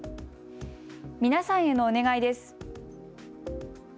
皆さんへのお願いです。